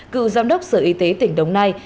cựu giám đốc sở y tế tỉnh đồng nai